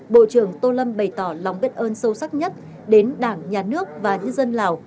bộ trưởng tô lâm bày tỏ lòng biết ơn sâu sắc nhất đến đảng nhà nước và nhân dân lào